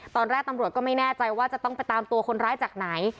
ตอนแรกตำรวจก็ไม่แน่ใจว่าจะต้องไปตามตัวคนร้ายจากไหน